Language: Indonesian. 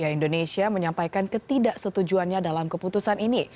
indonesia menyampaikan ketidaksetujuannya dalam keputusan ini